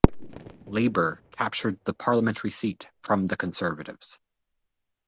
Labour captured the parliamentary seat from the Conservatives.